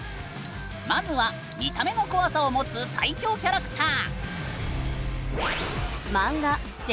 まずは「見た目」の恐さを持つ最恐キャラクター！